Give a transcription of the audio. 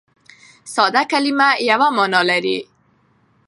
ساده کلیمه یوه مانا لري.